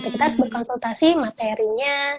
kita harus berkonsultasi materinya